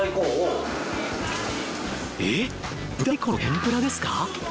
えっブリ大根の天ぷらですか？